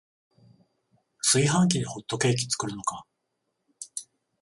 炊飯器でホットケーキ作るのか